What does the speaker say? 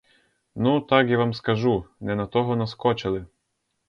Ну, так я вам скажу: не на того наскочили!